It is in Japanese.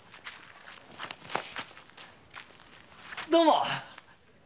どうも。